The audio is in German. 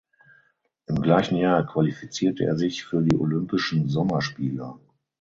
Im gleichen Jahr qualifizierte er sich für die Olympischen Sommerspiele.